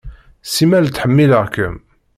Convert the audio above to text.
Simmal ttḥemmileɣ-kem.